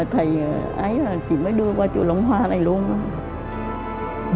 thầy ấy là chị mới đưa qua chùa long hoa này luôn